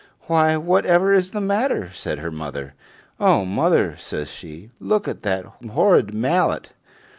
"Why, whatever is the matter?" said her mother. "Oh, mother!" says she, "look at that horrid mallet!